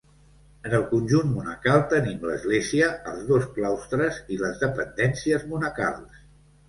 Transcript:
En el conjunt monacal tenim l'església els dos claustres i les dependències monacals.